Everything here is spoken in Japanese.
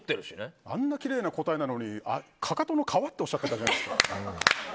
あんなきれいな答えなのにかかとの皮っておっしゃってたじゃないですか。